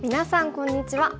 こんにちは。